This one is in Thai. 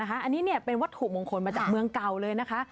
อันนี้เป็นวัตถุมงคลมาจากเมืองเก่าเลยนะคะ